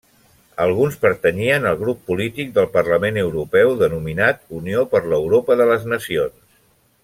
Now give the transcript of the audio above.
Alguns pertanyien al grup polític del parlament europeu denominat Unió per l'Europa de les Nacions.